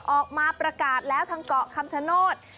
ออกมาประกาศแล้วทางเกาะคำชโนธ